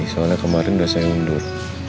soalnya kemarin udah saya undur